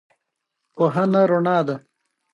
د ده په وینا ښایي د جګړې شدت له امله.